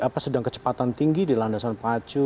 karena saya sudah kecepatan tinggi di landasan pacu